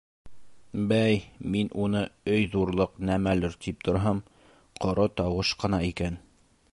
— Бәй, мин уны өй ҙурлыҡ нәмәлер тип торһам, ҡоро тауыш ҡына икән.